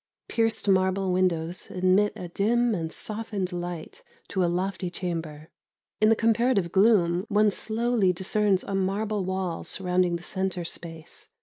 Pierced marble windows admit a dim and softened light to a lofty chamber. In the comparative gloom one slowly discerns a marble wall surrounding the centre space.